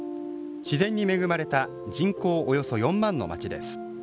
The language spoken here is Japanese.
自然に恵まれた人口およそ４万の町です。